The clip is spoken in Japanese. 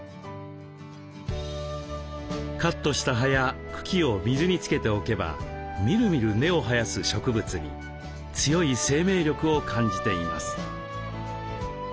カットした葉や茎を水につけておけばみるみる根を生やす植物に強い生命力を感じています。